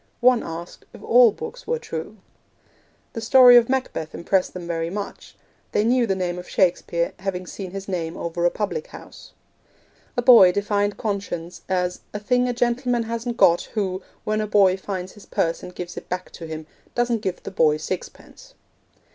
One asked if all books were true. The story of Macbeth impressed them very much. They knew the name of Shakespeare, having seen his name over a public house. A boy defined conscience as 'a thing a gentleman hasn't got, who, when a boy finds his purse and gives it back to him, doesn't give the boy sixpence.'